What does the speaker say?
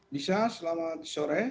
bisa selamat sore